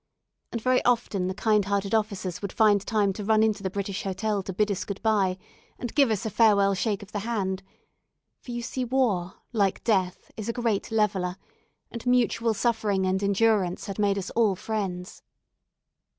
And very often the kind hearted officers would find time to run into the British Hotel to bid us good bye, and give us a farewell shake of the hand; for you see war, like death, is a great leveller, and mutual suffering and endurance had made us all friends.